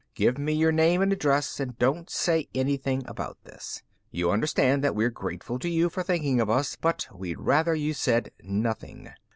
Give me your name and address and don't say anything about this. You understand that we're grateful to you for thinking of us, but we'd rather you said nothing."